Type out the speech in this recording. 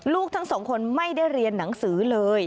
ลูกทั้งสองคนไม่ได้เรียนหนังสือเลย